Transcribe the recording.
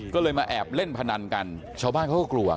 ก็เลยมาแอบเล่นพนันกันชาวบ้านเขาก็กลัว